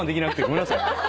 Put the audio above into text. ごめんなさい。